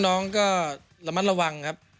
น้องก็ระมัดระวังครับ